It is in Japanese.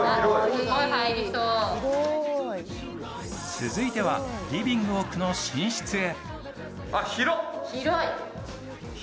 続いてはリビング奥の寝室へ。